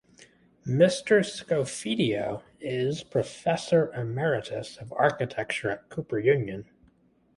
Mr. Scofidio is Professor Emeritus of Architecture at Cooper Union.